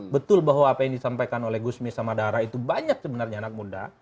betul bahwa apa yang disampaikan oleh gusmi samadara itu banyak sebenarnya anak muda